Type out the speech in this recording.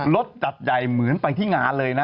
จัดใหญ่เหมือนไปที่งานเลยนะ